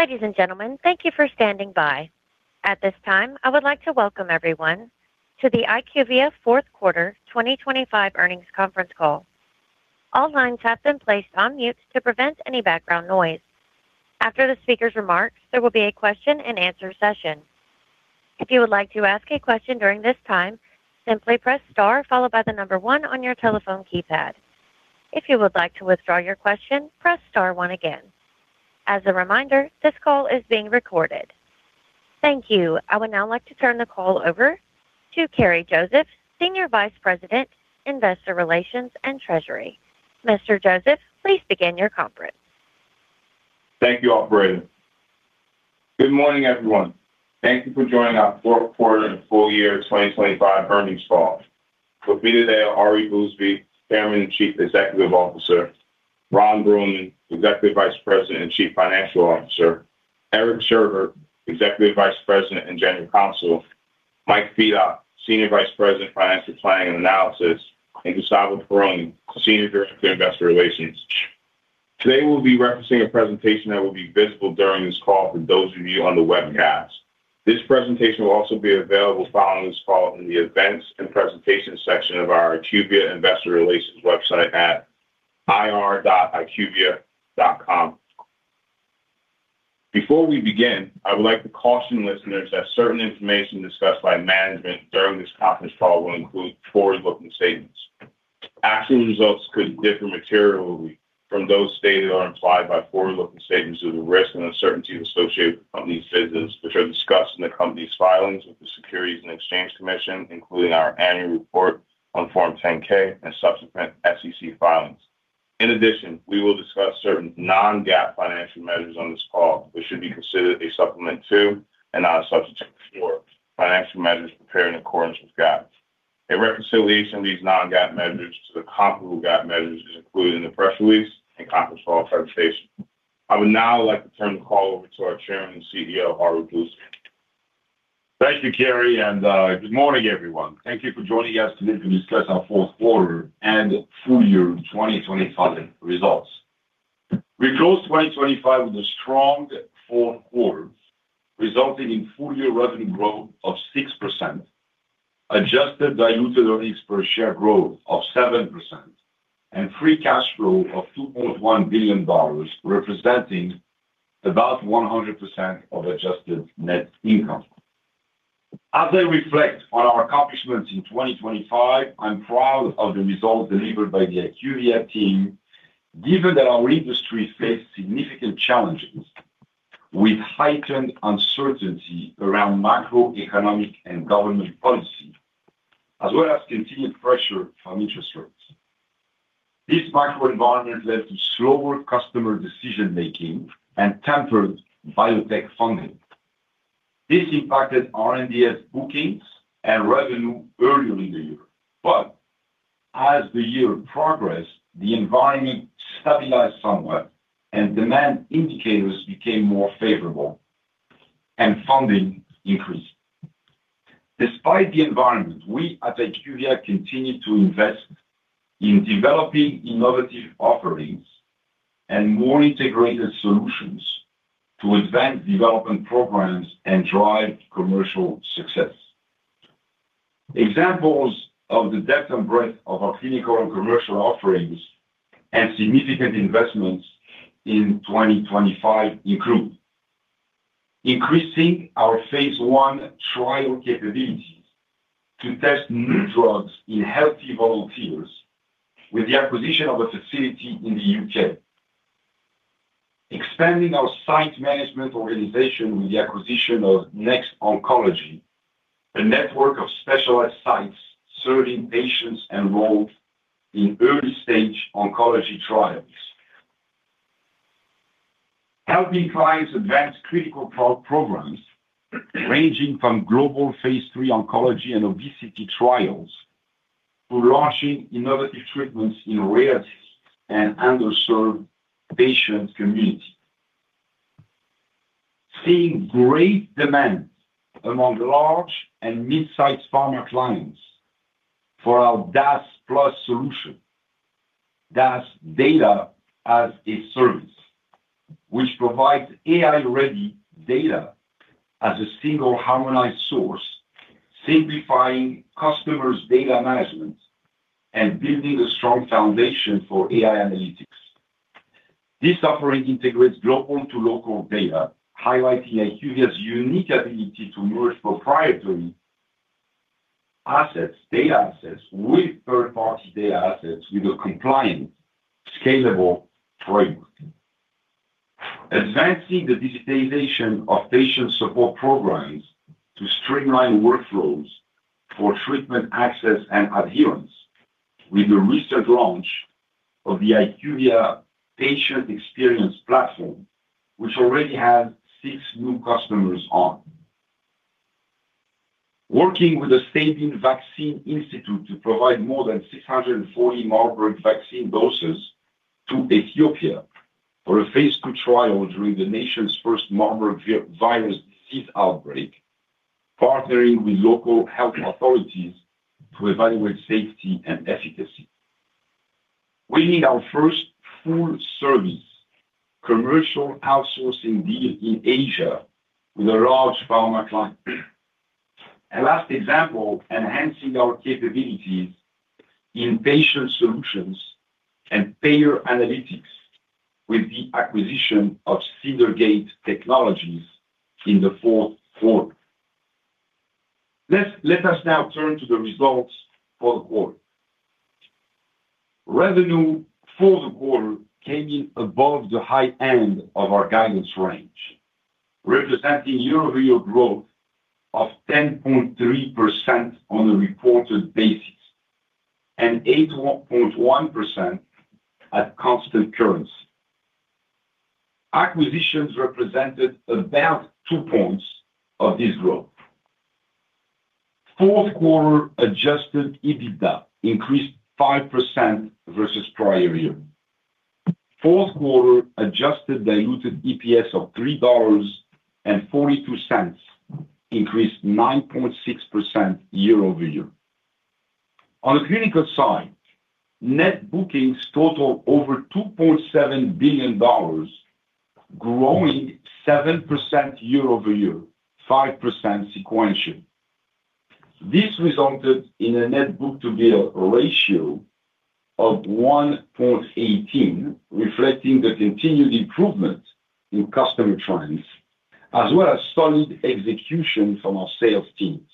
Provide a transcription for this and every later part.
Ladies and gentlemen, thank you for standing by. At this time, I would like to welcome everyone to the IQVIA Fourth Quarter 2025 Earnings Conference Call. All lines have been placed on mute to prevent any background noise. After the speaker's remarks, there will be a question and answer session. If you would like to ask a question during this time, simply press star followed by the number one on your telephone keypad. If you would like to withdraw your question, press star one again. As a reminder, this call is being recorded. Thank you. I would now like to turn the call over to Kerri Joseph, Senior Vice President, Investor Relations and Treasury. Mr. Joseph, please begin your conference. Thank you, operator. Good morning, everyone. Thank you for joining our fourth quarter and full year 2025 earnings call. With me today are Ari Bousbib, Chairman and Chief Executive Officer, Ron Bruehlman, Executive Vice President and Chief Financial Officer, Eric Sherbet, Executive Vice President and General Counsel, Mike Fedock, Senior Vice President, Financial Planning and Analysis, and Gustavo Perrone, Senior Director, Investor Relations. Today, we'll be referencing a presentation that will be visible during this call for those of you on the webcast. This presentation will also be available following this call in the Events and Presentation section of our IQVIA Investor Relations website at ir.iqvia.com. Before we begin, I would like to caution listeners that certain information discussed by management during this conference call will include forward-looking statements. Actual results could differ materially from those stated or implied by forward-looking statements due to the risks and uncertainties associated with the company's business, which are discussed in the company's filings with the Securities and Exchange Commission, including our annual report on Form 10-K and subsequent SEC filings. In addition, we will discuss certain non-GAAP financial measures on this call, which should be considered a supplement to, and not a substitute for, financial measures prepared in accordance with GAAP. A reconciliation of these non-GAAP measures to the comparable GAAP measures is included in the press release and conference call presentation. I would now like to turn the call over to our Chairman and CEO, Ari Bousbib. Thank you, Kerri, and good morning, everyone. Thank you for joining us today to discuss our fourth quarter and full year 2025 results. We closed 2025 with a strong fourth quarter, resulting in full-year revenue growth of 6%, adjusted diluted earnings per share growth of 7%, and free cash flow of $2.1 billion, representing about 100% of adjusted net income. As I reflect on our accomplishments in 2025, I'm proud of the results delivered by the IQVIA team, given that our industry faced significant challenges with heightened uncertainty around macroeconomic and government policy, as well as continued pressure from interest rates. This macro environment led to slower customer decision-making and tempered biotech funding. This impacted R&D bookings and revenue earlier in the year, but as the year progressed, the environment stabilized somewhat and demand indicators became more favorable and funding increased. Despite the environment, we at IQVIA continued to invest in developing innovative offerings and more integrated solutions to advance development programs and drive commercial success. Examples of the depth and breadth of our clinical and commercial offerings and significant investments in 2025 include: increasing our phase I trial capabilities to test new drugs in healthy volunteers with the acquisition of a facility in the U.K. Expanding our site management organization with the acquisition of Next Oncology, a network of specialized sites serving patients enrolled in early-stage oncology trials. Helping clients advance critical programs ranging from global phase III oncology and obesity trials to launching innovative treatments in rare disease and underserved patient communities. Seeing great demand among large and mid-sized pharma clients for our DaaS Plus solution. DaaS, Data As a Service, which provides AI-ready data as a single harmonized source, simplifying customers' data management and building a strong foundation for AI analytics. This offering integrates global to local data, highlighting IQVIA's unique ability to merge proprietary assets, data assets, with third-party data assets with a compliant, scalable framework. Advancing the digitalization of patient support programs to streamline workflows for treatment, access, and adherence with the recent launch of the IQVIA Patient Experience Platform, which already has six new customers on. Working with the Sabin Vaccine Institute to provide more than 640 Marburg vaccine doses to Ethiopia for a phase two trial during the nation's first Marburg virus disease outbreak, partnering with local health authorities to evaluate safety and efficacy. We won our first full-service commercial outsourcing deal in Asia with a large pharma client. As a last example, enhancing our capabilities in patient solutions and payer analytics with the acquisition of Cedar Gate Technologies in the fourth quarter. Let us now turn to the results for the quarter. Revenue for the quarter came in above the high end of our guidance range, representing year-over-year growth of 10.3% on a reported basis, and 8.1% at constant currency. Acquisitions represented about 2 points of this growth. Fourth quarter adjusted EBITDA increased 5% versus prior year. Fourth quarter adjusted diluted EPS of $3.42 increased 9.6% year-over-year. On the clinical side, net bookings totaled over $2.7 billion, growing 7% year-over-year, 5% sequentially. This resulted in a net book-to-bill ratio of 1.18, reflecting the continued improvement in customer trends, as well as solid execution from our sales teams.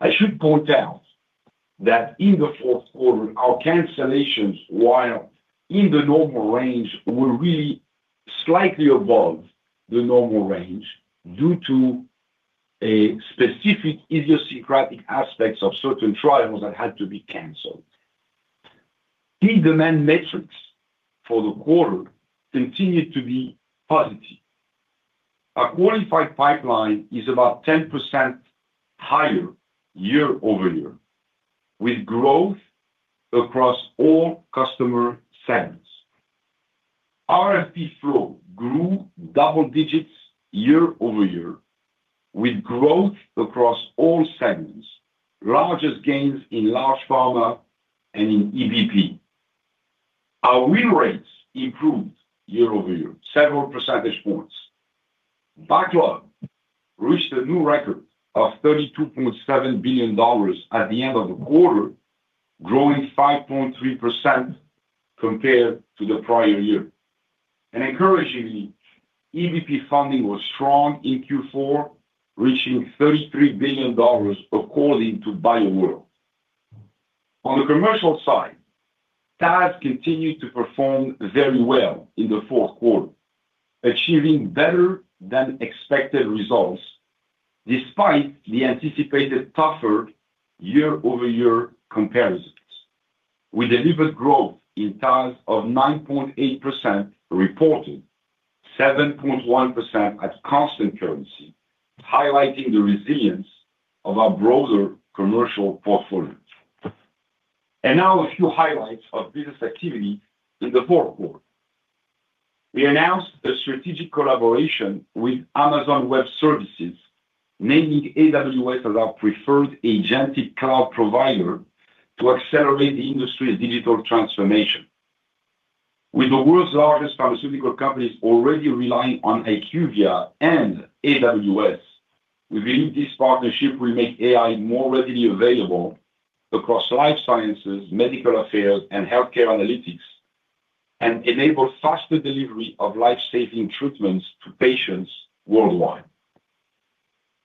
I should point out that in the fourth quarter, our cancellations, while in the normal range, were really slightly above the normal range due to a specific idiosyncratic aspects of certain trials that had to be canceled. Key demand metrics for the quarter continued to be positive. Our qualified pipeline is about 10% higher year-over-year, with growth across all customer segments. RFP flow grew double digits year-over-year, with growth across all segments. Largest gains in large pharma and in EBP. Our win rates improved year-over-year, several percentage points. Backlog reached a new record of $32.7 billion at the end of the quarter, growing 5.3% compared to the prior year. Encouragingly, EBP funding was strong in Q4, reaching $33 billion according to BioWorld. On the commercial side, TAS continued to perform very well in the fourth quarter, achieving better-than-expected results despite the anticipated tougher year-over-year comparisons. We delivered growth in TAS of 9.8%, reported 7.1% at constant currency, highlighting the resilience of our broader commercial portfolio. Now a few highlights of business activity in the fourth quarter. We announced a strategic collaboration with Amazon Web Services, naming AWS as our preferred agentic cloud provider to accelerate the industry's digital transformation. With the world's largest pharmaceutical companies already relying on IQVIA and AWS, we believe this partnership will make AI more readily available across life sciences, medical affairs, and healthcare analytics, and enable faster delivery of life-saving treatments to patients worldwide.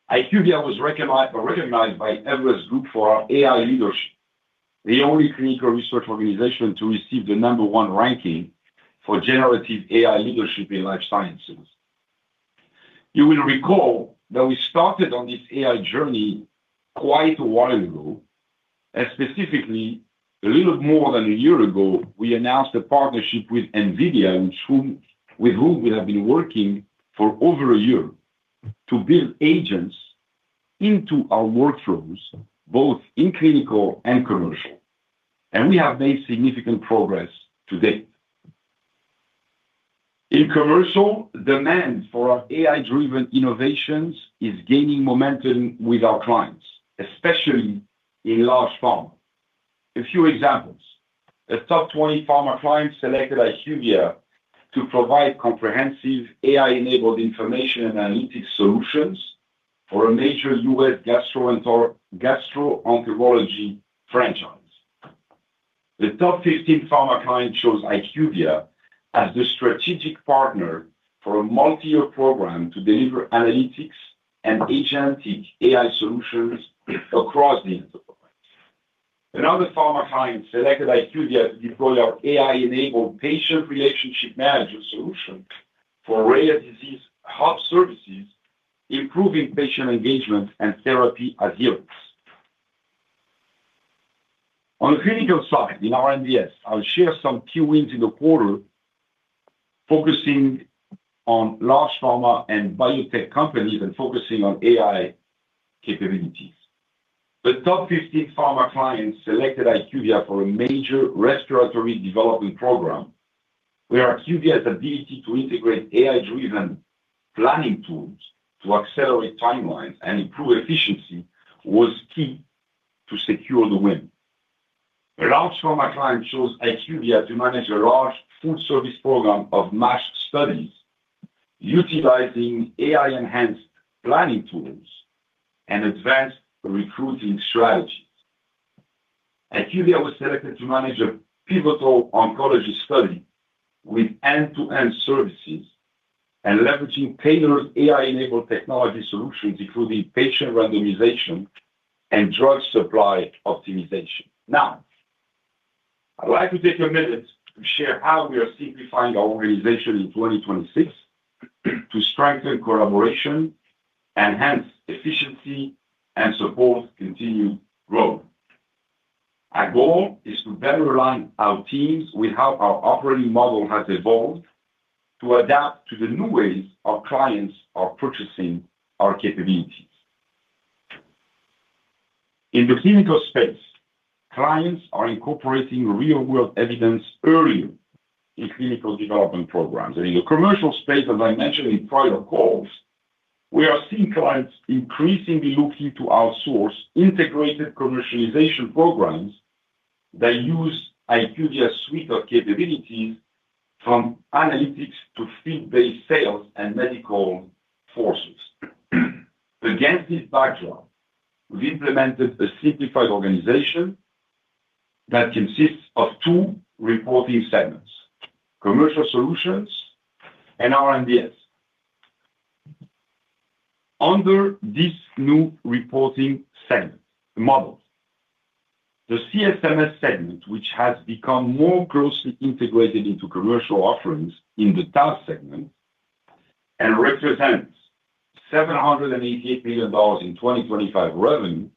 IQVIA was recognized by Everest Group for our AI leadership, the only clinical research organization to receive the number one ranking for generative AI leadership in life sciences. You will recall that we started on this AI journey quite a while ago, and specifically, a little more than a year ago, we announced a partnership with NVIDIA, with whom we have been working for over a year to build agents into our workflows, both in clinical and commercial, and we have made significant progress to date. In commercial, demand for our AI-driven innovations is gaining momentum with our clients, especially in large pharma. A few examples: A top 20 pharma client selected IQVIA to provide comprehensive AI-enabled information and analytics solutions for a major U.S. gastro-oncology franchise. The top 15 pharma client chose IQVIA as the strategic partner for a multi-year program to deliver analytics and agentic AI solutions across the enterprise. Another pharma client selected IQVIA to deploy our AI-enabled patient relationship management solution for rare disease hub services, improving patient engagement and therapy adherence. On the clinical side, in R&DS, I'll share some key wins in the quarter, focusing on large pharma and biotech companies, and focusing on AI capabilities. The top 15 pharma clients selected IQVIA for a major respiratory development program... where IQVIA's ability to integrate AI-driven planning tools to accelerate timelines and improve efficiency was key to secure the win. A large pharma client chose IQVIA to manage a large full-service program of MASH studies, utilizing AI-enhanced planning tools and advanced recruiting strategies. IQVIA was selected to manage a pivotal oncology study with end-to-end services and leveraging tailored AI-enabled technology solutions, including patient randomization and drug supply optimization. Now, I'd like to take a minute to share how we are simplifying our organization in 2026 to strengthen collaboration, enhance efficiency, and support continued growth. Our goal is to better align our teams with how our operating model has evolved to adapt to the new ways our clients are purchasing our capabilities. In the clinical space, clients are incorporating Real-World Evidence earlier in clinical development programs. In the commercial space, as I mentioned in prior calls, we are seeing clients increasingly looking to outsource integrated commercialization programs that use IQVIA's suite of capabilities, from analytics to field-based sales and medical forces. Against this backdrop, we've implemented a simplified organization that consists of two reporting segments: Commercial Solutions and R&DS. Under this new reporting segment models, the CSMS segment, which has become more closely integrated into commercial offerings in the TAS segment, and represents $788 billion in 2025 revenue,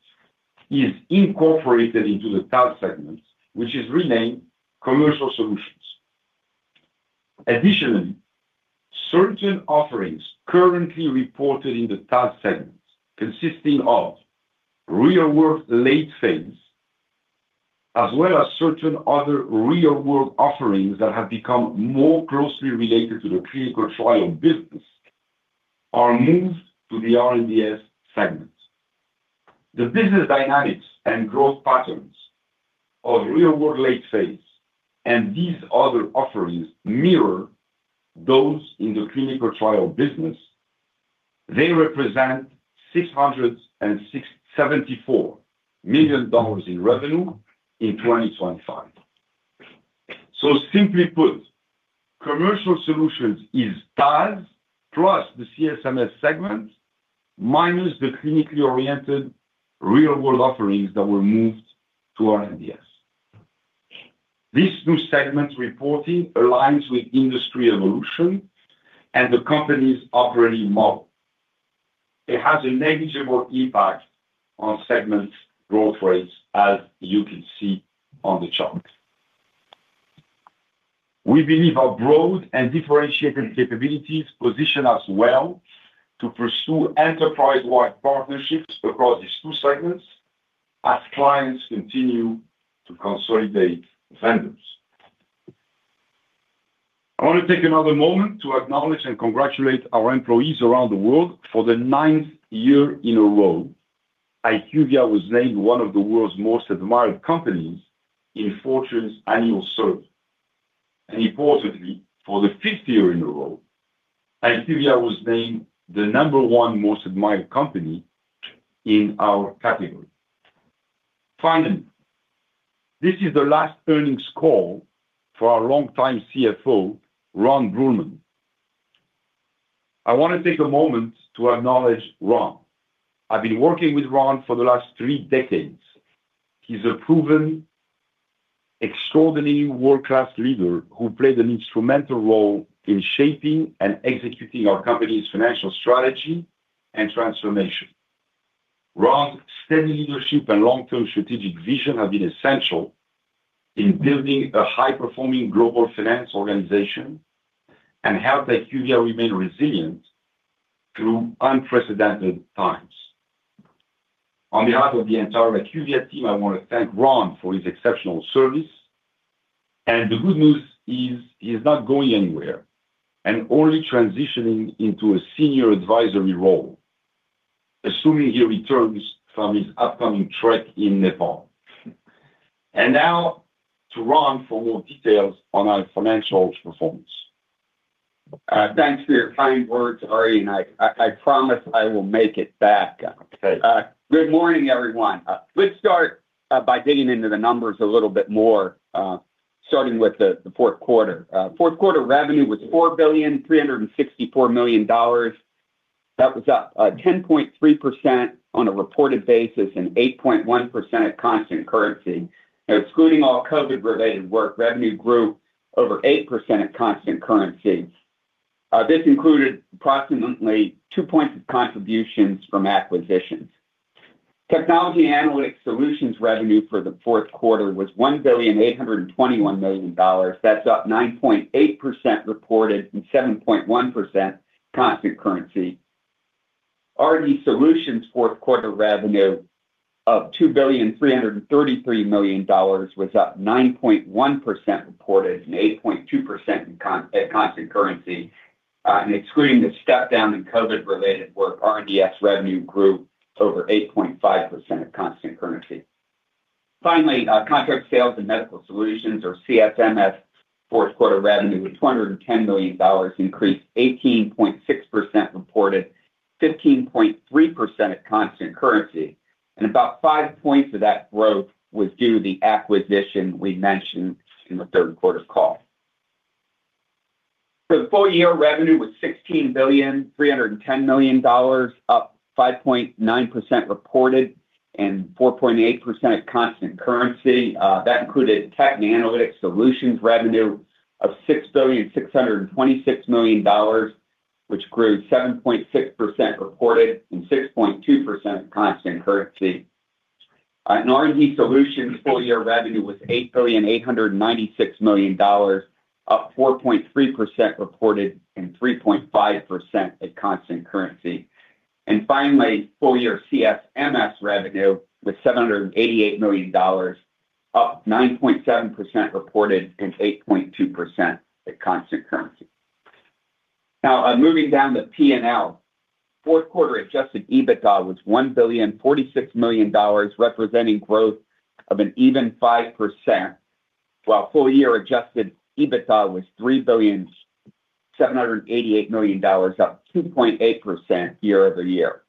is incorporated into the TAS segment, which is renamed Commercial Solutions. Additionally, certain offerings currently reported in the TAS segment, consisting of real-world late phase, as well as certain other real-world offerings that have become more closely related to the clinical trial business, are moved to the R&DS segment. The business dynamics and growth patterns of real-world late phase and these other offerings mirror those in the clinical trial business. They represent $674 million in revenue in 2025. So simply put, Commercial Solutions is TAS, plus the CSMS segment, minus the clinically oriented real-world offerings that were moved to R&DS. This new segment reporting aligns with industry evolution and the company's operating model. It has a negligible impact on segment growth rates, as you can see on the chart. We believe our broad and differentiated capabilities position us well to pursue enterprise-wide partnerships across these two segments as clients continue to consolidate vendors. I want to take another moment to acknowledge and congratulate our employees around the world. For the ninth year in a row, IQVIA was named one of the world's most admired companies in Fortune's annual survey. Importantly, for the fifth year in a row, IQVIA was named the number one most admired company in our category. Finally, this is the last earnings call for our longtime CFO, Ron Bruehlman. I want to take a moment to acknowledge Ron. I've been working with Ron for the last three decades. He's a proven, extraordinary world-class leader who played an instrumental role in shaping and executing our company's financial strategy and transformation. Ron's steady leadership and long-term strategic vision have been essential in building a high-performing global finance organization and helped IQVIA remain resilient through unprecedented times. On behalf of the entire IQVIA team, I want to thank Ron for his exceptional service, and the good news is he's not going anywhere, and only transitioning into a senior advisory role, assuming he returns from his upcoming trek in Nepal. And now to Ron for more details on our financial performance. Thanks for your kind words, Ari. I promise I will make it back. Okay. Good morning, everyone. Let's start by digging into the numbers a little bit more, starting with the fourth quarter. Fourth quarter revenue was $4,364 million. That was up 10.3% on a reported basis, and 8.1% at constant currency. Excluding all COVID-related work, revenue grew over 8% at constant currency. This included approximately 2 points of contributions from acquisitions. Technology Analytics Solutions revenue for the fourth quarter was $1,821 million. That's up 9.8% reported, and 7.1% constant currency. R&D Solutions' fourth quarter revenue of $2,333 million was up 9.1% reported and 8.2% at constant currency. And excluding the step down in COVID-related work, R&DS revenue grew over 8.5% at constant currency. Finally, Contract Sales and Medical Solutions, or CSMS, fourth quarter revenue was $210 million, increased 18.6% reported, 15.3% at constant currency, and about five points of that growth was due to the acquisition we mentioned in the third quarter call. So the full-year revenue was $16.31 billion, up 5.9% reported and 4.8% at constant currency. That included Tech and Analytics Solutions revenue of $6.626 billion, which grew 7.6% reported and 6.2% at constant currency. And R&D Solutions' full-year revenue was $8.896 billion, up 4.3% reported and 3.5% at constant currency. And finally, full-year CSMS revenue was $788 million, up 9.7% reported and 8.2% at constant currency. Now, moving down to P&L, fourth quarter adjusted EBITDA was $1.046 billion, representing growth of an even 5%, while full-year adjusted EBITDA was $3.788 billion, up 2.8% year-over-year.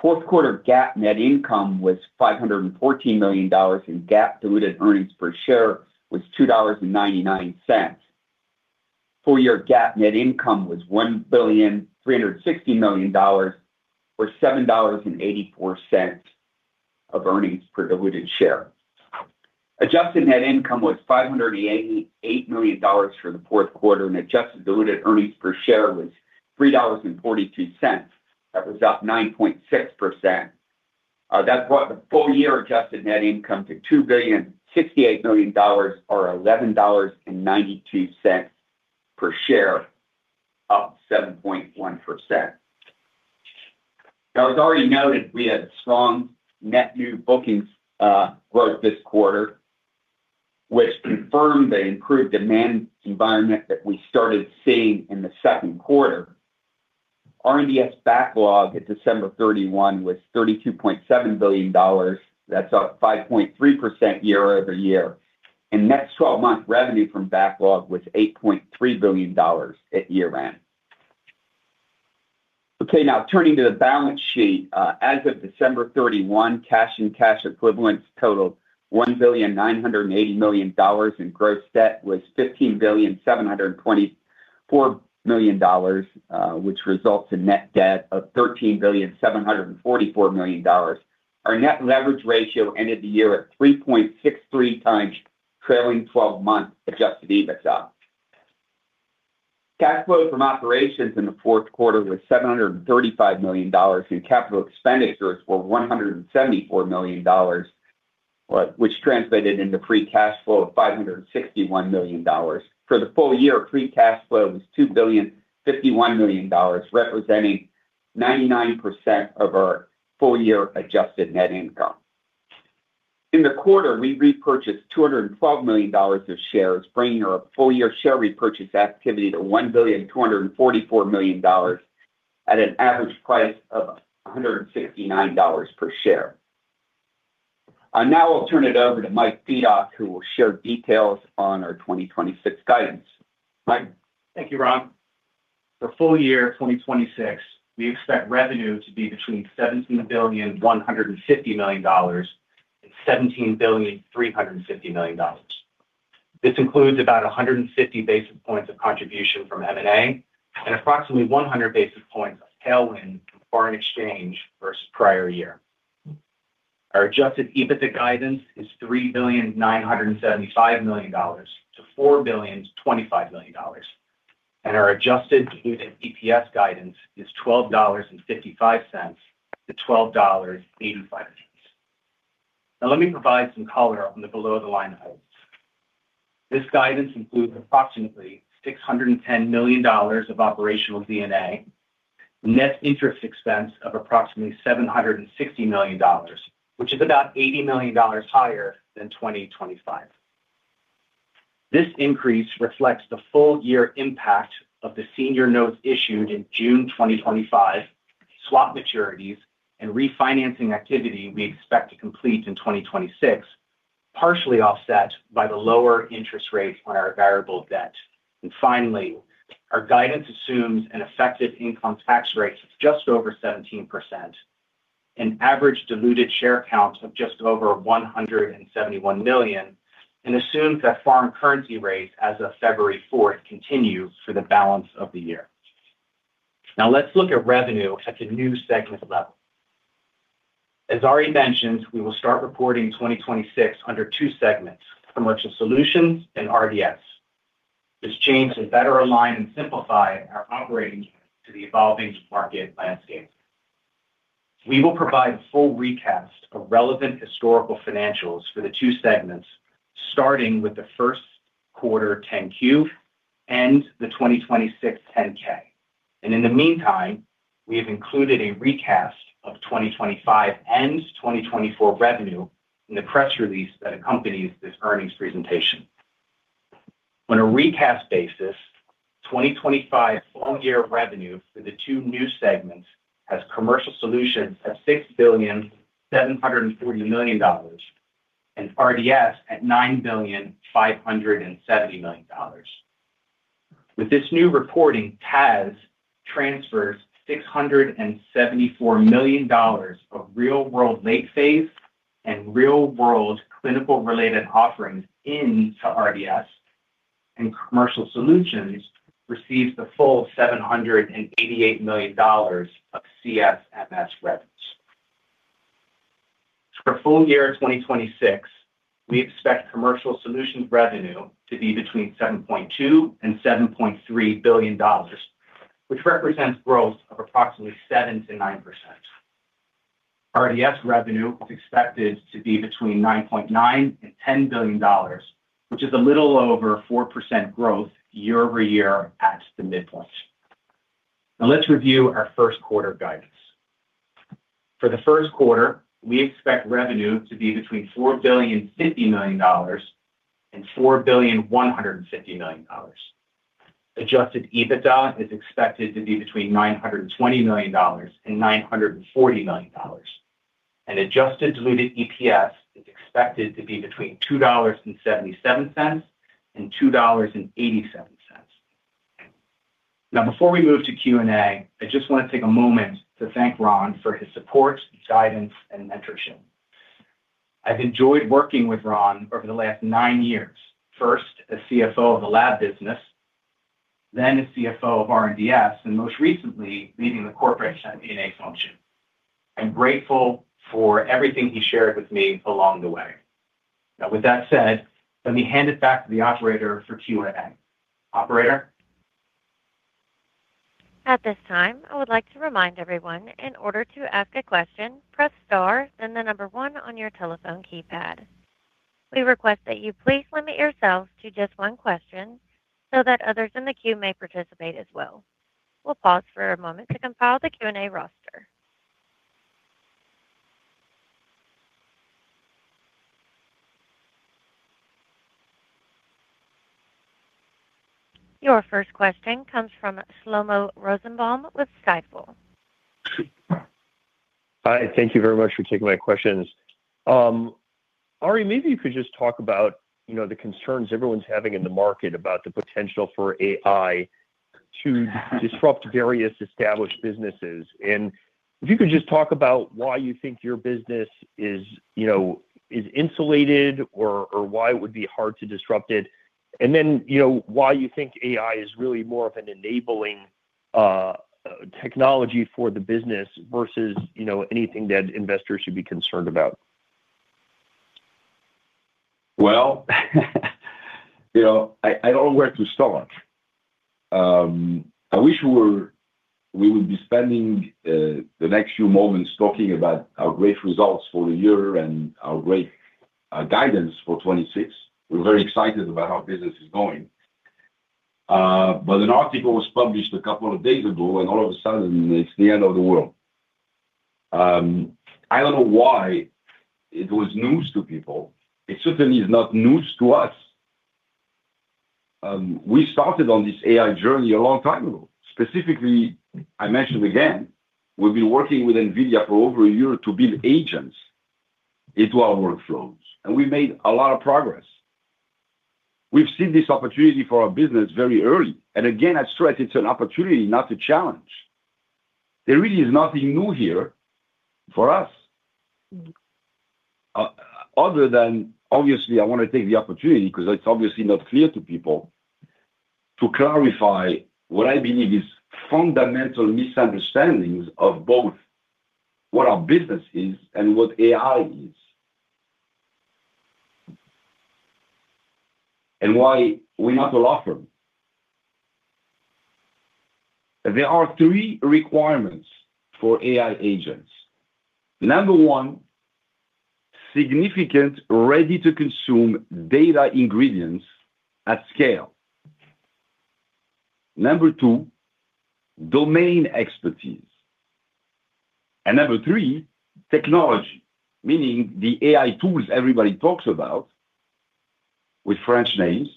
Fourth quarter GAAP net income was $514 million, and GAAP diluted earnings per share was $2.99. Full-year GAAP net income was $1.36 billion, or $7.84 of earnings per diluted share. Adjusted net income was $588 million for the fourth quarter, and adjusted diluted earnings per share was $3.42. That was up 9.6%. That brought the full-year adjusted net income to $2,068 million, or $11.92 per share, up 7.1%. Now, as already noted, we had strong net new bookings growth this quarter, which confirmed the improved demand environment that we started seeing in the second quarter. R&DS backlog at December 31 was $32.7 billion. That's up 5.3% year over year, and next twelve-month revenue from backlog was $8.3 billion at year-end. Okay, now turning to the balance sheet. As of December 31, cash and cash equivalents totaled $1.98 billion, and gross debt was $15.724 billion, which results in net debt of $13.744 billion. Our net leverage ratio ended the year at 3.63 times, trailing twelve-month Adjusted EBITDA. Cash flows from operations in the fourth quarter was $735 million, and capital expenditures were $174 million, which translated into free cash flow of $561 million. For the full year, free cash flow was $2.051 billion, representing 99% of our full-year adjusted net income. In the quarter, we repurchased $212 million of shares, bringing our full-year share repurchase activity to $1.244 billion at an average price of $169 per share. Now I'll turn it over to Mike Fedock, who will share details on our 2026 guidance. Mike? Thank you, Ron. For full year 2026, we expect revenue to be between $17.15 billion and $17.35 billion. This includes about 150 basis points of contribution from M&A and approximately 100 basis points of tailwind from foreign exchange versus prior year. Our adjusted EBITDA guidance is $3.975 billion-$4.025 billion, and our adjusted diluted EPS guidance is $12.55-$12.85. Now, let me provide some color on the below-the-line items. This guidance includes approximately $610 million of operational D&A, net interest expense of approximately $760 million, which is about $80 million higher than 2025. This increase reflects the full-year impact of the senior notes issued in June 2025, swap maturities, and refinancing activity we expect to complete in 2026, partially offset by the lower interest rates on our variable debt. Finally, our guidance assumes an effective income tax rate of just over 17%, an average diluted share count of just over 171 million, and assumes that foreign currency rates as of February 4 continue for the balance of the year. Now, let's look at revenue at the new segment level. As Ari mentioned, we will start reporting 2026 under two segments, Commercial Solutions and R&DS. This change is better aligned and simplify our operating to the evolving market landscape. We will provide full recast of relevant historical financials for the two segments, starting with the first quarter 10-Q and the 2026 10-K. In the meantime, we have included a recast of 2025 and 2024 revenue in the press release that accompanies this earnings presentation. On a recast basis, 2025 full year revenue for the two new segments has Commercial Solutions at $6.74 billion and R&DS at $9.57 billion. With this new reporting, TAS transfers $674 million of real-world late phase and real-world clinical-related offerings into R&DS, and Commercial Solutions receives the full $788 million of CSMS revenues. For full year 2026, we expect Commercial Solutions revenue to be between $7.2 billion and $7.3 billion, which represents growth of approximately 7%-9%. Solutions revenue is expected to be between $9.9 billion and $10 billion, which is a little over 4% growth year-over-year at the midpoint. Now let's review our first quarter guidance. For the first quarter, we expect revenue to be between $4.05 billion and $4.15 billion. Adjusted EBITDA is expected to be between $920 million and $940 million, and adjusted diluted EPS is expected to be between $2.77 and $2.87. Now, before we move to Q&A, I just want to take a moment to thank Ron for his support, guidance, and mentorship. I've enjoyed working with Ron over the last nine years, first as CFO of the lab business, then as CFO of R&DS, and most recently, leading the corporate FP&A function. I'm grateful for everything he shared with me along the way. Now, with that said, let me hand it back to the operator for Q&A. Operator? At this time, I would like to remind everyone, in order to ask a question, press star, then one on your telephone keypad. We request that you please limit yourselves to just one question so that others in the queue may participate as well. We'll pause for a moment to compile the Q&A roster. Your first question comes from Shlomo Rosenbaum with Stifel. Hi, thank you very much for taking my questions. Ari, maybe you could just talk about, you know, the concerns everyone's having in the market about the potential for AI to disrupt various established businesses. And if you could just talk about why you think your business is, you know, is insulated or, or why it would be hard to disrupt it, and then, you know, why you think AI is really more of an enabling technology for the business versus, you know, anything that investors should be concerned about. Well, you know, I don't know where to start. I wish we would be spending the next few moments talking about our great results for the year and our great guidance for 2026. We're very excited about how business is going. But an article was published a couple of days ago, and all of a sudden, it's the end of the world. I don't know why it was news to people. It certainly is not news to us. We started on this AI journey a long time ago. Specifically, I mentioned, again, we've been working with NVIDIA for over a year to build agents into our workflows, and we made a lot of progress. We've seen this opportunity for our business very early, and again, I stress it's an opportunity, not a challenge. There really is nothing new here for us. Other than obviously, I want to take the opportunity, because it's obviously not clear to people, to clarify what I believe is fundamental misunderstandings of both what our business is and what AI is, and why we have to offer. There are three requirements for AI agents. Number one, significant, ready-to-consume data ingredients at scale. Number two, domain expertise. And number three, technology, meaning the AI tools everybody talks about with French names,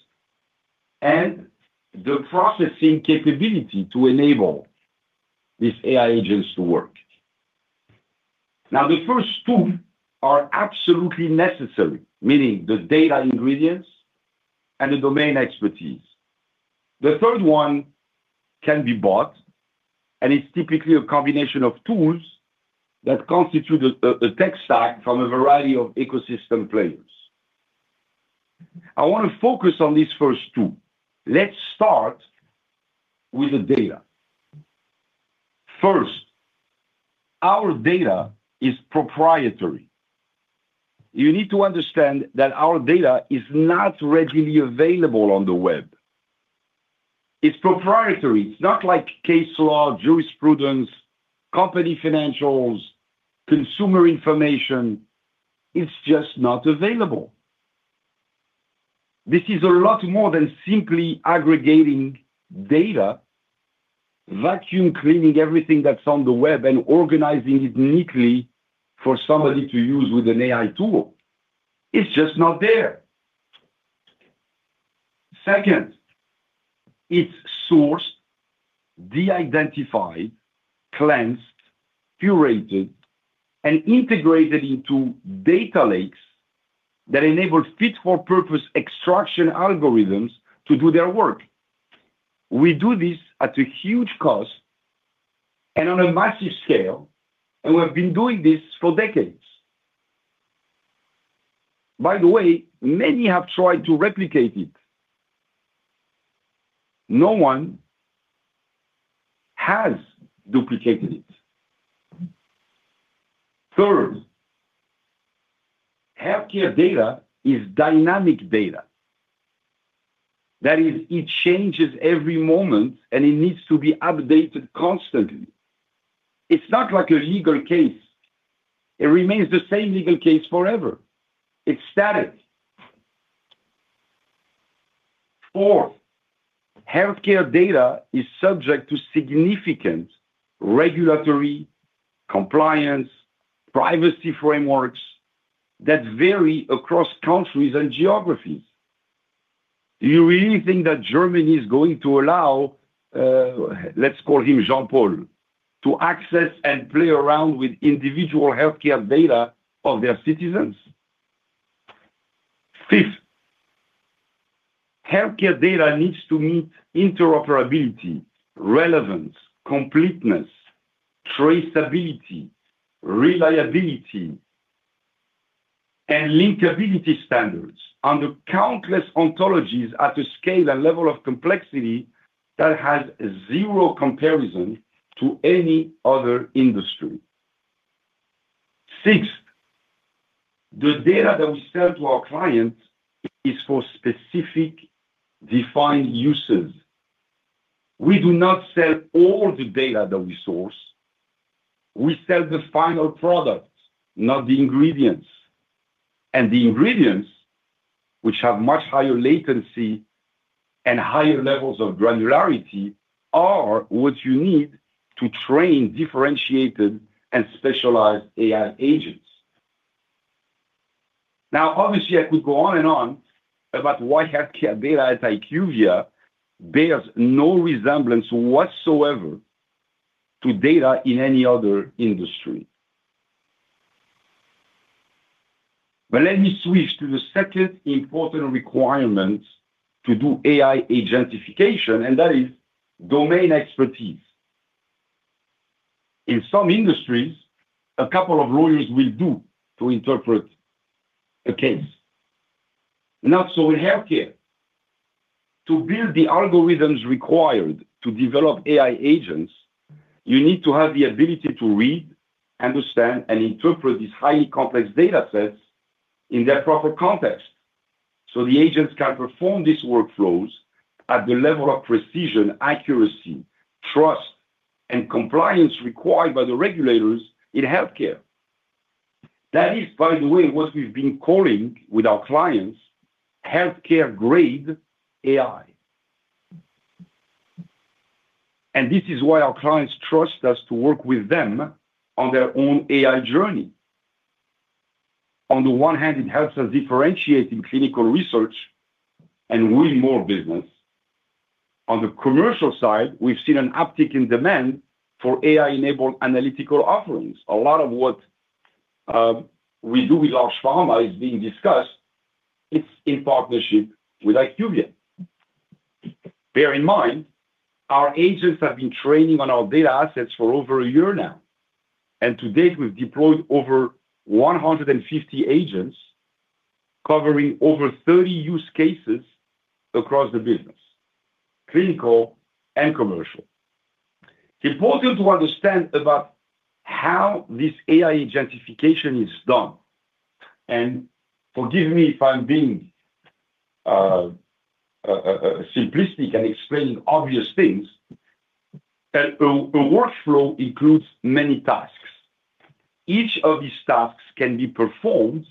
and the processing capability to enable these AI agents to work. Now, the first two are absolutely necessary, meaning the data ingredients and the domain expertise. The third one can be bought, and it's typically a combination of tools that constitute a, a tech stack from a variety of ecosystem players. I want to focus on these first two. Let's start with the data. First, our data is proprietary. You need to understand that our data is not readily available on the web.... It's proprietary. It's not like case law, jurisprudence, company financials, consumer information. It's just not available. This is a lot more than simply aggregating data, vacuum cleaning everything that's on the web, and organizing it neatly for somebody to use with an AI tool. It's just not there. Second, it's sourced, de-identified, cleansed, curated, and integrated into data lakes that enable fit-for-purpose extraction algorithms to do their work. We do this at a huge cost and on a massive scale, and we have been doing this for decades. By the way, many have tried to replicate it. No one has duplicated it. Third, healthcare data is dynamic data. That is, it changes every moment, and it needs to be updated constantly. It's not like a legal case. It remains the same legal case forever. It's static. Fourth, healthcare data is subject to significant regulatory, compliance, privacy frameworks that vary across countries and geographies. Do you really think that Germany is going to allow, let's call him Jean-Paul, to access and play around with individual healthcare data of their citizens? Fifth, healthcare data needs to meet interoperability, relevance, completeness, traceability, reliability, and linkability standards under countless ontologies at a scale and level of complexity that has zero comparison to any other industry. Sixth, the data that we sell to our clients is for specific defined uses. We do not sell all the data that we source. We sell the final product, not the ingredients, and the ingredients, which have much higher latency and higher levels of granularity, are what you need to train differentiated and specialized AI agents. Now, obviously, I could go on and on about why healthcare data at IQVIA bears no resemblance whatsoever to data in any other industry. But let me switch to the second important requirement to do AI agentification, and that is domain expertise. In some industries, a couple of lawyers will do to interpret a case. Not so in healthcare. To build the algorithms required to develop AI agents, you need to have the ability to read, understand, and interpret these highly complex data sets in their proper context, so the agents can perform these workflows at the level of precision, accuracy, trust, and compliance required by the regulators in healthcare. That is, by the way, what we've been calling, with our clients, healthcare-grade AI. And this is why our clients trust us to work with them on their own AI journey. On the one hand, it helps us differentiate in clinical research and win more business. On the commercial side, we've seen an uptick in demand for AI-enabled analytical offerings. A lot of what we do with large pharma is being discussed. It's in partnership with IQVIA. Bear in mind, our agents have been training on our data assets for over a year now, and to date, we've deployed over 150 agents, covering over 30 use cases across the business, clinical and commercial. Important to understand about how this AI agentification is done, and forgive me if I'm being simplistic and explaining obvious things. A workflow includes many tasks. Each of these tasks can be performed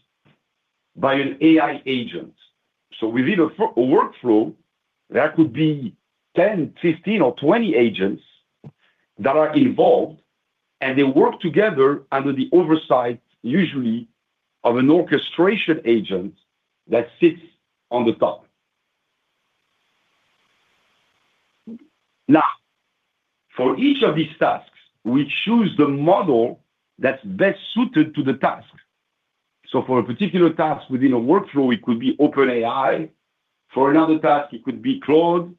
by an AI agent. So within a workflow, there could be 10, 15, or 20 agents that are involved, and they work together under the oversight, usually, of an orchestration agent that sits on the top. Now, for each of these tasks, we choose the model that's best suited to the task. So for a particular task within a workflow, it could be OpenAI. For another task, it could be Claude,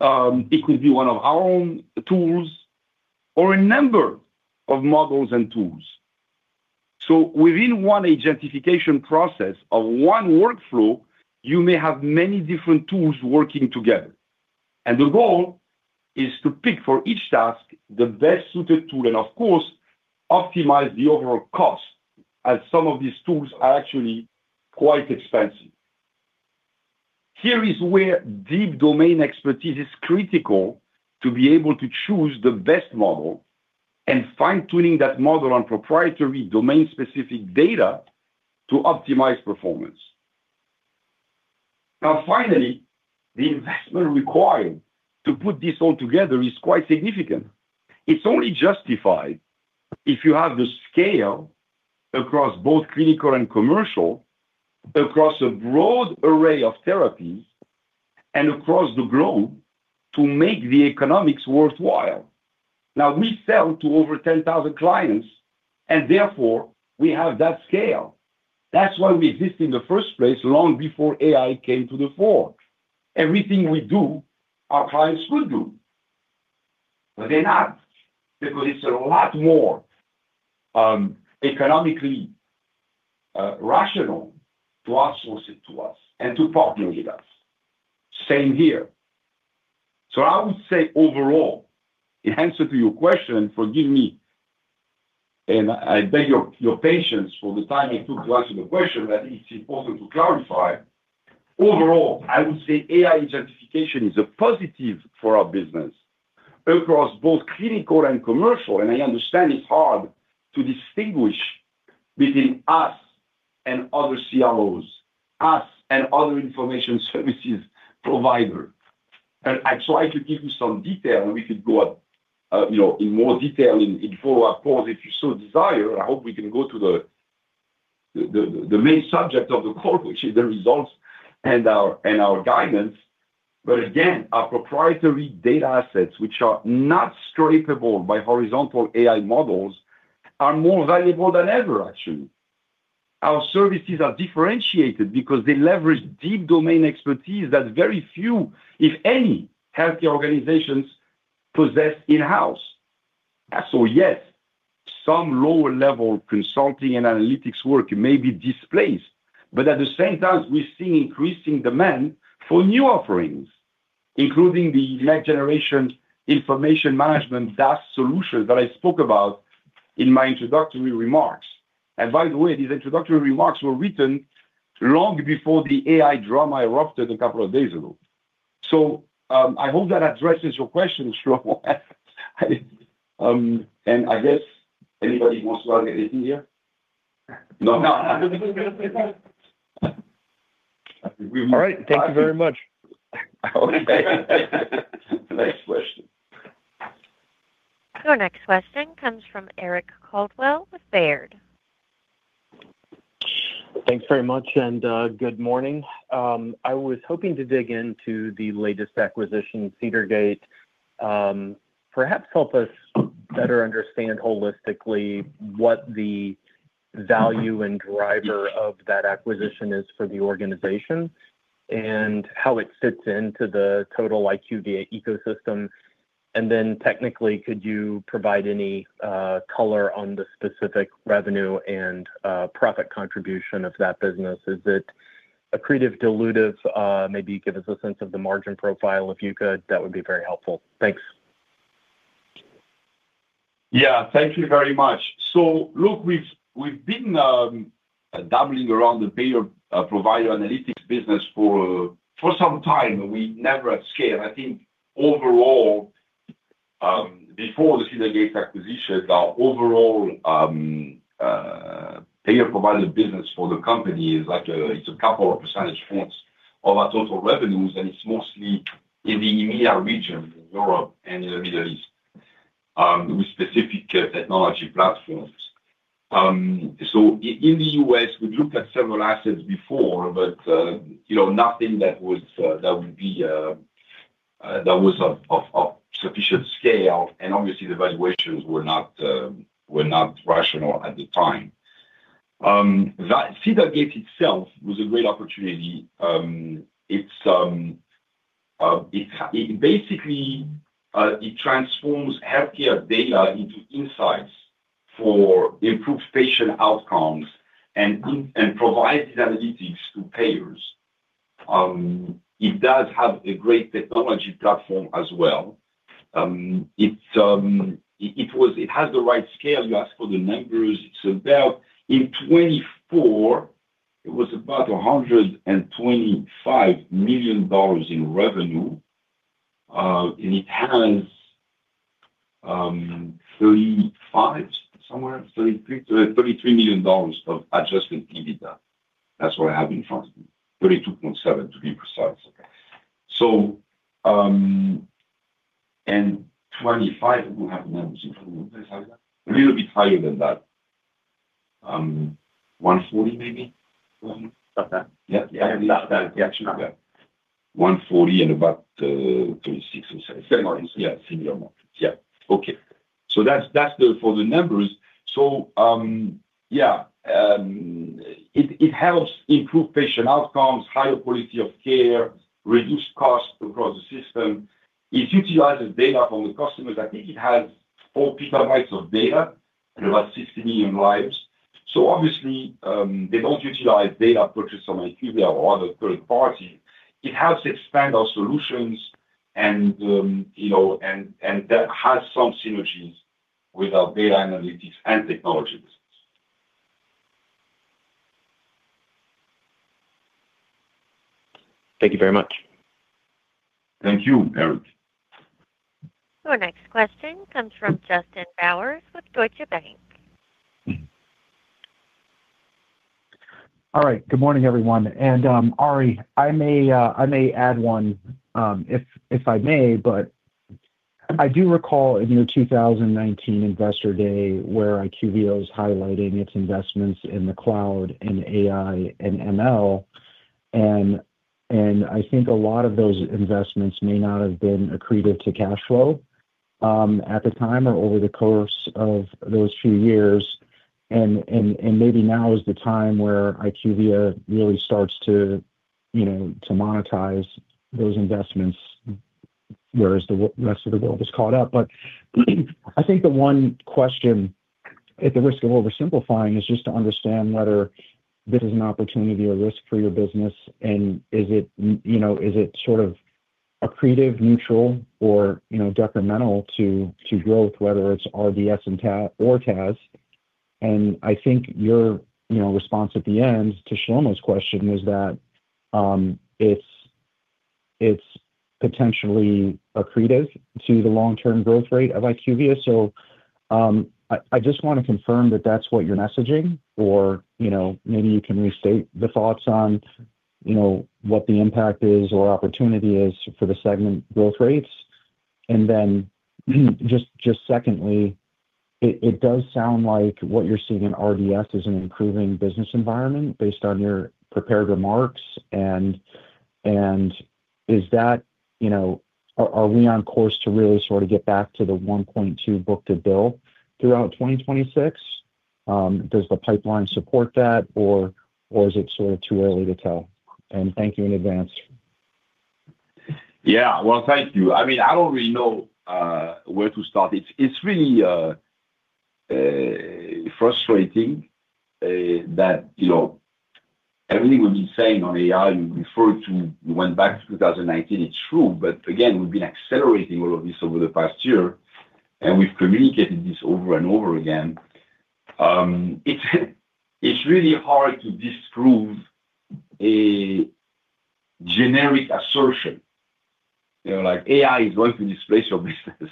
it could be one of our own tools or a number of models and tools. So within one agentification process of one workflow, you may have many different tools working together, and the goal is to pick for each task the best-suited tool, and of course, optimize the overall cost... as some of these tools are actually quite expensive. Here is where deep domain expertise is critical to be able to choose the best model and fine-tuning that model on proprietary domain-specific data to optimize performance. Now, finally, the investment required to put this all together is quite significant. It's only justified if you have the scale across both clinical and commercial, across a broad array of therapies, and across the globe to make the economics worthwhile. Now, we sell to over 10,000 clients, and therefore, we have that scale. That's why we exist in the first place, long before AI came to the fore. Everything we do, our clients could do, but they're not, because it's a lot more economically rational to outsource it to us and to partner with us. Same here. So I would say overall, in answer to your question, forgive me, and I beg your patience for the time it took to answer the question, that it's important to clarify. Overall, I would say AI identification is a positive for our business across both clinical and commercial, and I understand it's hard to distinguish between us and other CROs, us and other information services provider. And I tried to give you some detail, and we could go up, you know, in more detail in follow-up calls, if you so desire. I hope we can go to the main subject of the call, which is the results and our guidance. But again, our proprietary data assets, which are not scrapable by horizontal AI models, are more valuable than ever, actually. Our services are differentiated because they leverage deep domain expertise that very few, if any, healthcare organizations possess in-house. So yes, some lower-level consulting and analytics work may be displaced, but at the same time, we're seeing increasing demand for new offerings, including the next generation information management SaaS solution that I spoke about in my introductory remarks. And by the way, these introductory remarks were written long before the AI drama erupted a couple of days ago. So, I hope that addresses your question, Trevor. And I guess anybody wants to add anything here? No, no. All right. Thank you very much. Okay. Next question. Your next question comes from Eric Coldwell with Baird. Thanks very much, and good morning. I was hoping to dig into the latest acquisition, Cedar Gate. Perhaps help us better understand holistically what the value and driver of that acquisition is for the organization and how it fits into the total IQVIA ecosystem. And then technically, could you provide any color on the specific revenue and profit contribution of that business? Is it accretive, dilutive? Maybe give us a sense of the margin profile, if you could. That would be very helpful. Thanks. Yeah, thank you very much. So look, we've been dabbling around the payer provider analytics business for some time. We never had scale. I think overall, before the Cedar Gate acquisition, our overall payer provider business for the company is like, it's a couple of percentage points of our total revenues, and it's mostly in the EMEA region, in Europe and in the Middle East, with specific technology platforms. So in the U.S., we looked at several assets before, but you know, nothing that was that would be that was of sufficient scale, and obviously, the valuations were not rational at the time. That Cedar Gate itself was a great opportunity. It basically transforms healthcare data into insights for improved patient outcomes and provides analytics to payers. It does have a great technology platform as well. It has the right scale. You asked for the numbers. It's about, in 2024, it was about $125 million in revenue, and it has 35, somewhere $33 million-$35 million of Adjusted EBITDA. That's what I have in front of me, 32.7, to be precise. So, in 2025, we have numbers. A little bit higher than that, 140y, maybe? About that. Yeah. Yeah, about that. Yeah, actually. 140 and about 36 or 37. Similar. Yeah, similar margins. Yeah. Okay. So that's, that's the for the numbers. So, yeah, it helps improve patient outcomes, higher quality of care, reduce costs across the system. It utilizes data from the customers. I think it has 4 PB of data and about 60 million lives. So obviously, they don't utilize data purchased from IQVIA or other third party. It helps expand our solutions. And, you know, and, and that has some synergies with our data analytics and technology business. Thank you very much. Thank you, Eric. Our next question comes from Justin Bowers with Deutsche Bank. All right. Good morning, everyone, and, Ari, I may add one, if I may, but I do recall in your 2019 Investor Day, where IQVIA was highlighting its investments in the cloud and AI and ML, and maybe now is the time where IQVIA really starts to, you know, to monetize those investments, whereas the rest of the world has caught up. But I think the one question, at the risk of oversimplifying, is just to understand whether this is an opportunity or risk for your business, and is it, you know, is it sort of accretive, neutral, or, you know, detrimental to growth, whether it's R&DS and TAS or TAS? And I think your, you know, response at the end to Shlomo's question is that it's potentially accretive to the long-term growth rate of IQVIA. So, I just want to confirm that that's what you're messaging, or, you know, maybe you can restate the thoughts on, you know, what the impact is or opportunity is for the segment growth rates. And then, just secondly, it does sound like what you're seeing in R&DS is an improving business environment based on your prepared remarks. And is that, you know... Are we on course to really sort of get back to the 1.2 book-to-bill throughout 2026? Does the pipeline support that, or is it sort of too early to tell? Thank you in advance. Yeah. Well, thank you. I mean, I don't really know where to start. It's really frustrating that, you know, everything we've been saying on AI, you referred to, you went back to 2019, it's true, but again, we've been accelerating all of this over the past year, and we've communicated this over and over again. It's really hard to disprove a generic assertion. You know, like, AI is going to displace your business.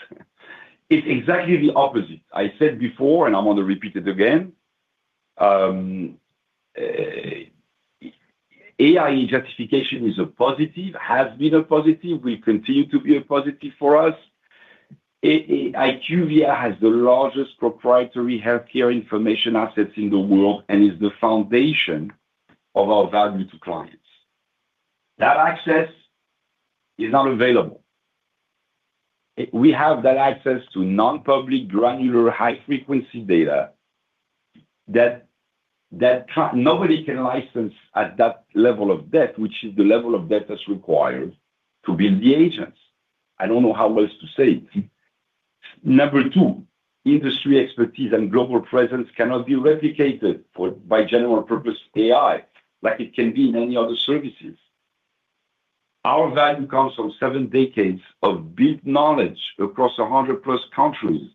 It's exactly the opposite. I said before, and I'm gonna repeat it again, AI justification is a positive, has been a positive, will continue to be a positive for us. IQVIA has the largest proprietary healthcare information assets in the world and is the foundation of our value to clients. That access is not available. We have that access to non-public, granular, high-frequency data that nobody can license at that level of depth, which is the level of depth that's required to build the agents. I don't know how else to say it. Number two, industry expertise and global presence cannot be replicated by general purpose AI, like it can be in many other services. Our value comes from seven decades of built knowledge across 100+ countries,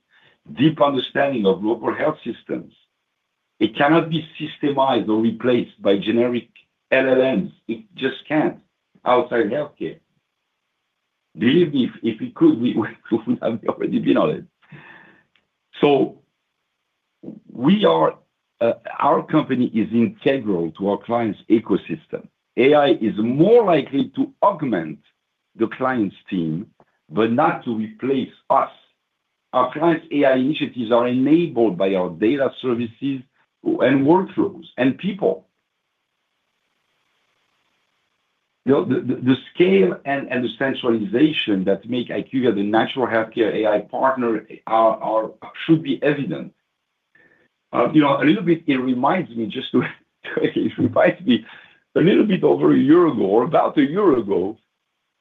deep understanding of local health systems. It cannot be systemized or replaced by generic LLMs. It just can't, outside healthcare. Believe me, if it could, we wouldn't have already been on it. So we are, our company is integral to our client's ecosystem. AI is more likely to augment the client's team, but not to replace us. Our client's AI initiatives are enabled by our data services and workflows and people. You know, the scale and the centralization that make IQVIA the natural healthcare AI partner should be evident. You know, a little bit, it reminds me a little bit over a year ago or about a year ago,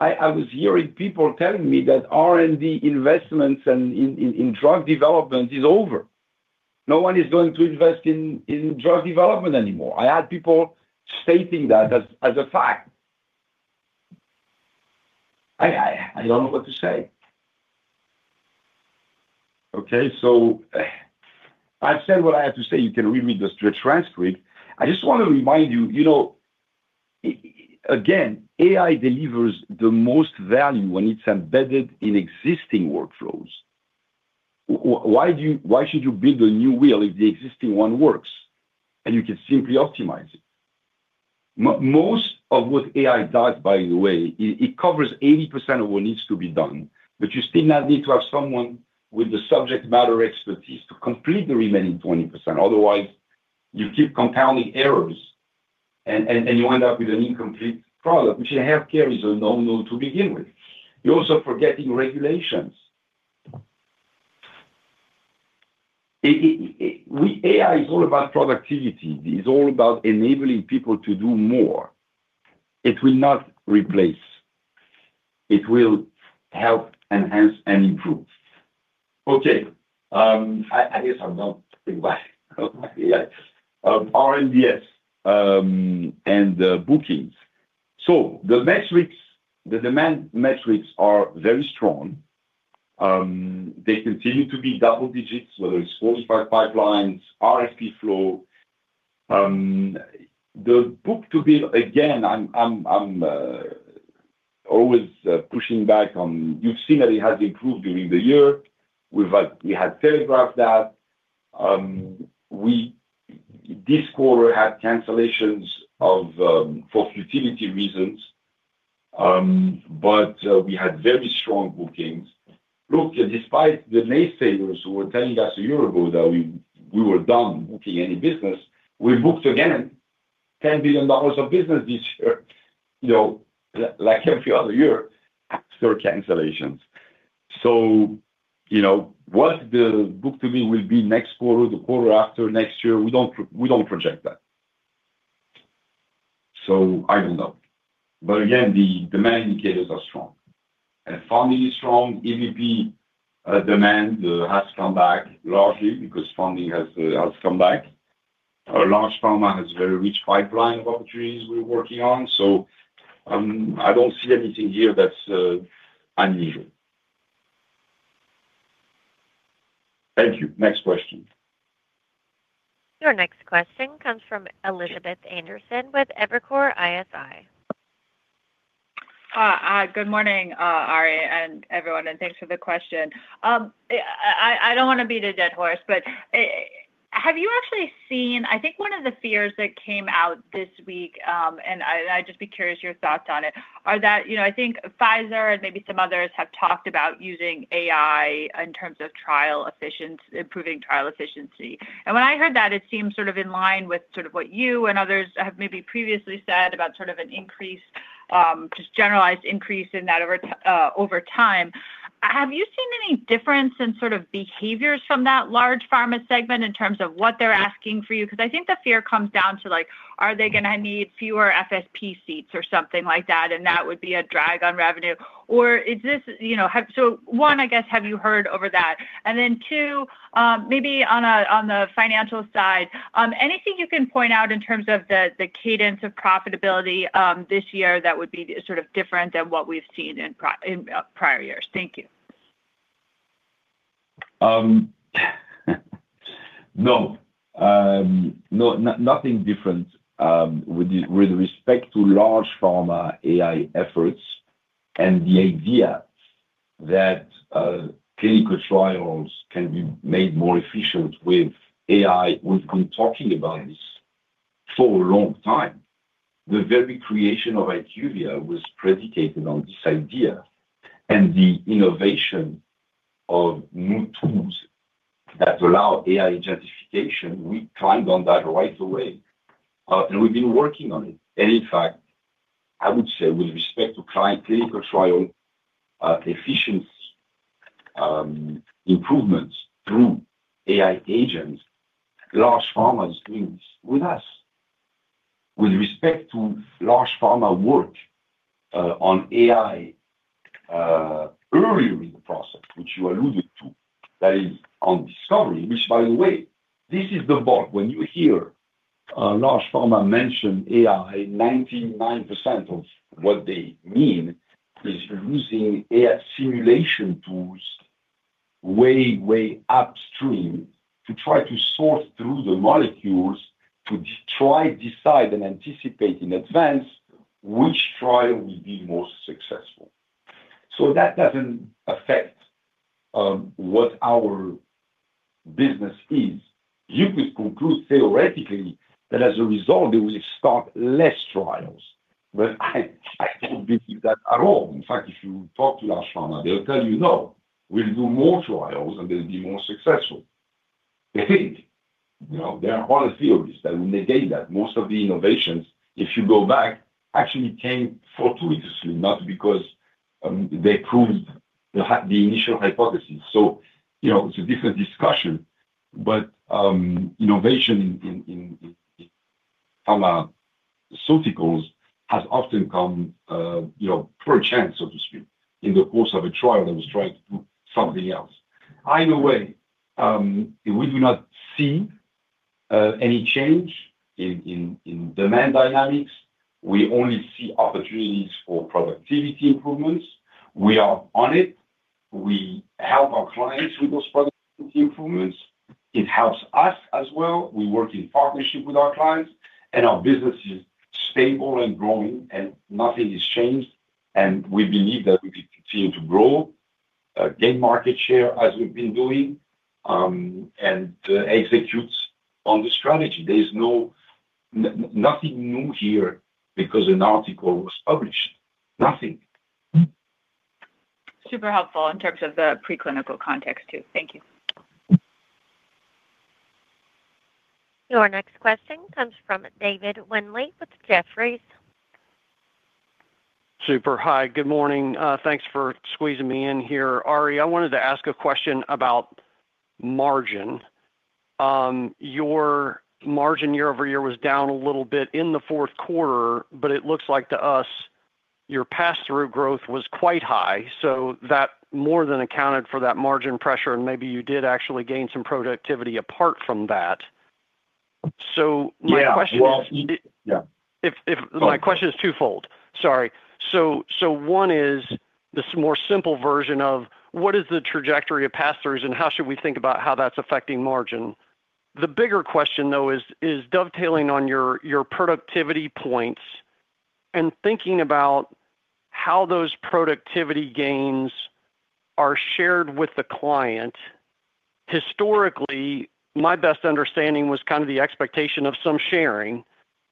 I was hearing people telling me that R&D investments and in drug development is over. No one is going to invest in drug development anymore. I had people stating that as a fact. I don't know what to say. Okay, so I've said what I have to say. You can read me the transcript. I just want to remind you, you know, again, AI delivers the most value when it's embedded in existing workflows. Why do you... why should you build a new wheel if the existing one works and you can simply optimize it? Most of what AI does, by the way, it covers 80% of what needs to be done, but you still now need to have someone with the subject matter expertise to complete the remaining 20%. Otherwise, you keep compounding errors and you end up with an incomplete product, which in healthcare is a no-no to begin with. You're also forgetting regulations. AI is all about productivity. It's all about enabling people to do more. It will not replace. It will help enhance and improve... Okay. I guess I'm not thinking why. R&DS and the bookings. So the metrics, the demand metrics are very strong. They continue to be double digits, whether it's qualified pipelines, RFP flow. The book-to-bill, again, I'm always pushing back on—You've seen that it has improved during the year. We had telegraphed that. This quarter had cancellations of, for futility reasons, but we had very strong bookings. Look, despite the naysayers who were telling us a year ago that we were done booking any business, we booked again, $10 billion of business this year, you know, like every other year after cancellations. So, you know, what the book-to-bill will be next quarter, the quarter after next year, we don't project that. So I don't know. But again, the demand indicators are strong, and funding is strong. EVP demand has come back largely because funding has come back. Our large pharma has a very rich pipeline of opportunities we're working on. So, I don't see anything here that's unusual. Thank you. Next question. Your next question comes from Elizabeth Anderson with Evercore ISI. Good morning, Ari, and everyone, and thanks for the question. I don't want to beat a dead horse, but, have you actually seen? I think one of the fears that came out this week, and I'd just be curious your thoughts on it, are that, you know, I think Pfizer and maybe some others have talked about using AI in terms of trial efficiency, improving trial efficiency. And when I heard that, it seemed sort of in line with sort of what you and others have maybe previously said about sort of an increase, just generalized increase in that over time. Have you seen any difference in sort of behaviors from that large pharma segment in terms of what they're asking for you? Because I think the fear comes down to, like, are they gonna need fewer FSP seats or something like that, and that would be a drag on revenue. Or is this... You know, so one, I guess, have you heard over that? And then, two, maybe on the financial side, anything you can point out in terms of the, the cadence of profitability, this year that would be sort of different than what we've seen in prior years? Thank you. No. No, nothing different. With respect to large pharma AI efforts and the idea that, clinical trials can be made more efficient with AI, we've been talking about this for a long time. The very creation of IQVIA was predicated on this idea and the innovation of new tools that allow AI identification. We climbed on that right away, and we've been working on it. And in fact, I would say with respect to client clinical trial, efficiency, improvements through AI agents, large pharma is with us. With respect to large pharma work, on AI, earlier in the process, which you alluded to, that is on discovery, which, by the way, this is the bulk. When you hear large pharma mention AI, 99% of what they mean is using AI simulation tools way, way upstream to try to sort through the molecules to try, decide, and anticipate in advance which trial will be most successful. So that doesn't affect what our business is. You could conclude theoretically that as a result, they will start less trials, but I don't believe that at all. In fact, if you talk to large pharma, they'll tell you, "No, we'll do more trials, and they'll be more successful." They think. You know, there are whole theories that will negate that. Most of the innovations, if you go back, actually came fortuitously, not because they proved the initial hypothesis. So, you know, it's a different discussion, but innovation in pharmaceuticals has often come, you know, per chance, so to speak, in the course of a trial that was trying to do something else. Either way, we do not see any change in demand dynamics. We only see opportunities for productivity improvements. We are on it. We help our clients with those productivity improvements. It helps us as well. We work in partnership with our clients, and our business is stable and growing, and nothing has changed, and we believe that we will continue to grow, gain market share as we've been doing, and execute on the strategy. There is nothing new here because an article was published. Nothing. Super helpful in terms of the preclinical context, too. Thank you. Your next question comes from David Windley with Jefferies. Super. Hi, good morning. Thanks for squeezing me in here. Ari, I wanted to ask a question about margin. Your margin year over year was down a little bit in the fourth quarter, but it looks like to us, your pass-through growth was quite high, so that more than accounted for that margin pressure, and maybe you did actually gain some productivity apart from that. So my question is- Yeah, well, yeah. My question is twofold. Sorry. So one is, this more simple version of what is the trajectory of pass-throughs, and how should we think about how that's affecting margin? The bigger question, though, is dovetailing on your productivity points and thinking about how those productivity gains are shared with the client. Historically, my best understanding was kind of the expectation of some sharing.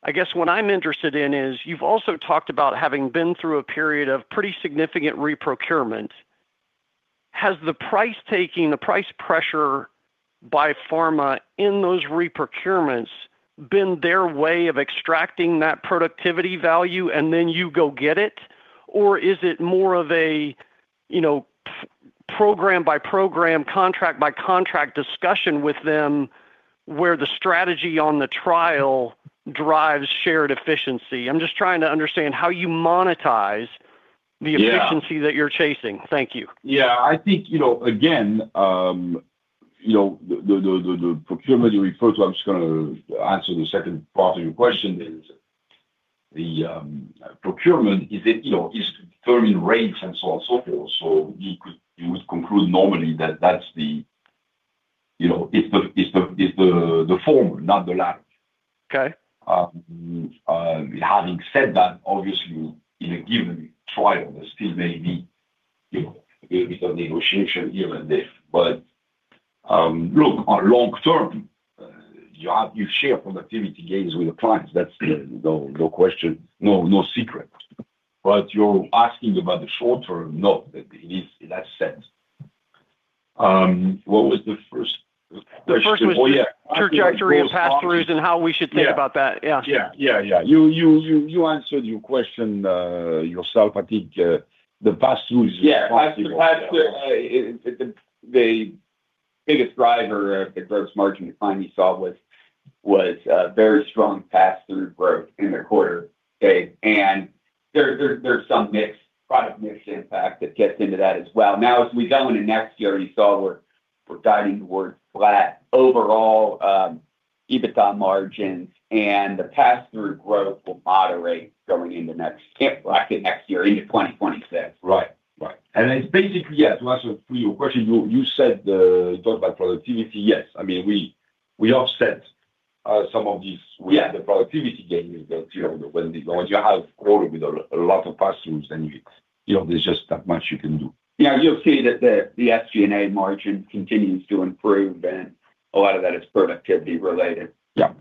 I guess what I'm interested in is, you've also talked about having been through a period of pretty significant reprocurement. Has the price taking, the price pressure by pharma in those reprocurements been their way of extracting that productivity value, and then you go get it? Or is it more of a, you know, program by program, contract by contract discussion with them, where the strategy on the trial drives shared efficiency? I'm just trying to understand how you monetize the. Yeah Efficiency that you're chasing. Thank you. Yeah, I think, you know, again, you know, the procurement you refer to. I'm just gonna answer the second part of your question is: the procurement is it, you know, is determined rates and so on and so forth. So you could, you would conclude normally that that's the, you know, it's the form, not the latter. Okay. Having said that, obviously, in a given trial, there still may be, you know, a little bit of negotiation here and there. But, look, on long term, you have-- you share productivity gains with the clients. That's no, no question, no, no secret. But you're asking about the short term? No, it is, in that sense. What was the first question? The first was- Oh, yeah... trajectory and pass-throughs, and how we should think about that. Yeah. Yeah. Yeah, yeah. You answered your question yourself. I think the pass-throughs- Yeah. Pass-through, pass-through, the biggest driver of gross margin you finally saw was very strong pass-through growth in the quarter. Okay. And there, there's some mix, product mix impact that gets into that as well. Now, as we go into next year, you saw we're guiding towards flat overall EBITDA margins, and the pass-through growth will moderate going into next year, next year, into 2026. Right. Right. And it's basically, yeah, to answer your question, you, you said, talk about productivity. Yes. I mean, we, we offset, some of these- Yeah... with the productivity gains, that, you know, when you have growth with a lot of pass-throughs, then, you know, there's just that much you can do. Yeah, you'll see that the SG&A margin continues to improve, and a lot of that is productivity related. Yeah.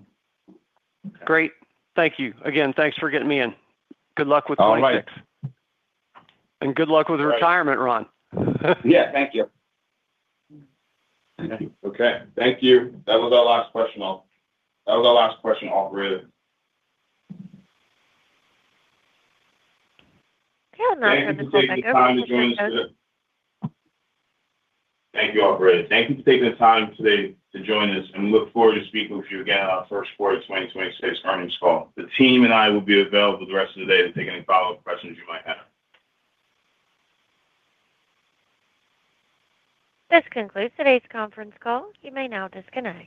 Great. Thank you. Again, thanks for getting me in. Good luck with 2026. All right. Good luck with the retirement, Ron. Yeah, thank you. Thank you. Okay, thank you. That was our last question, all. That was our last question, operator. Okay, I'm gonna- Thank you for taking the time to join us today. Thank you, operator. Thank you for taking the time today to join us, and we look forward to speaking with you again on our first quarter 2026 earnings call. The team and I will be available the rest of the day to take any follow-up questions you might have. This concludes today's conference call. You may now disconnect.